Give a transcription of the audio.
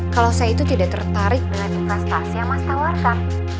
kalau saya itu tidak tertarik dengan investasi yang mas tawarkan